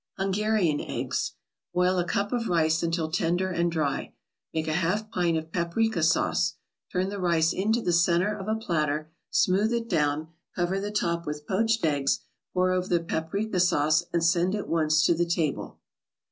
HUNGARIAN EGGS Boil a cup of rice until tender and dry. Make a half pint of paprika sauce. Turn the rice into the center of a platter, smooth it down, cover the top with poached eggs, pour over the paprika sauce and send at once to the table.